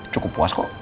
cukup puas kok